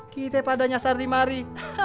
kita padanya sari mari